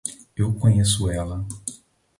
Eu conheço ela